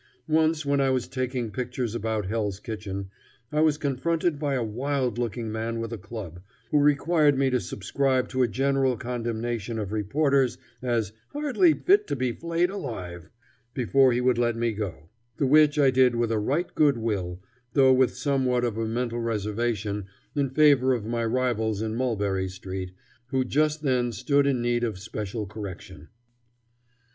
Once, when I was taking pictures about Hell's Kitchen, I was confronted by a wild looking man with a club, who required me to subscribe to a general condemnation of reporters as "hardly fit to be flayed alive," before he would let me go; the which I did with a right good will, though with somewhat of a mental reservation in favor of my rivals in Mulberry Street, who just then stood in need of special correction.